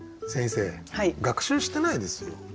先生学習してないですよ。